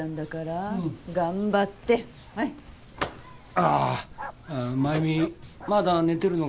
あっ真弓まだ寝てるのか？